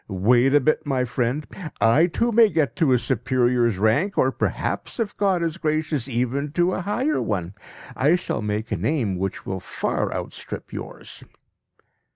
Wait a bit, my friend! I too may get to a superior's rank; or perhaps, if God is gracious, even to a higher one. I shall make a name which will far outstrip yours.